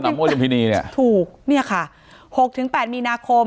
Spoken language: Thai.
มั่ลุมพินีเนี่ยถูกเนี่ยค่ะหกถึงแปดมีนาคม